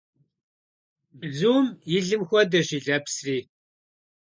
Бзум и лым хуэдэщ и лэпсри.